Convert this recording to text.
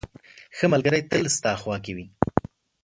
• ښه ملګری تل ستا خوا کې وي.